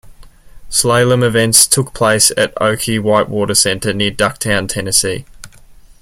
Slalom events took place at Ocoee Whitewater Center near Ducktown, Tennessee.